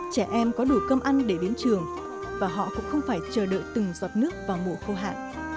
trẻ em có đủ cơm ăn để đến trường và họ cũng không phải chờ đợi từng giọt nước vào mùa khô hạn